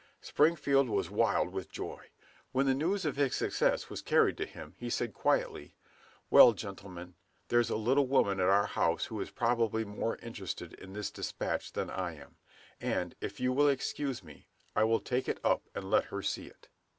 Springfield was wild with joy. When the news of his success was carried to him, he said quietly, "Well, gentlemen, there's a little woman at our house who is probably more interested in this dispatch than I am; and if you will excuse me, I will take it up and let her see it."